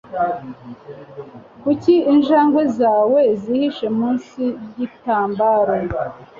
Kuki injangwe zawe zihishe munsi yigitambaro?